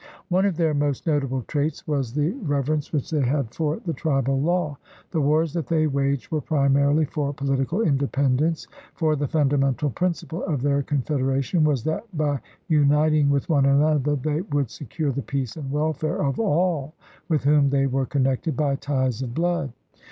One of their most notable traits was the reverence which they had for the tribal law\ The wars that they waged were primarih' for political independence, for the fundamental principle of their confederation was that by uniting with one another they would secure the peace and welfare of all with whom they were connected by ties of blood.